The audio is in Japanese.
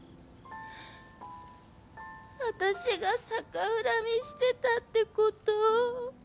私が逆恨みしてたって事？